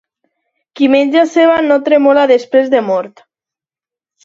Qui menja ceba no tremola després de mort.